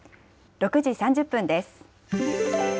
６時３０分です。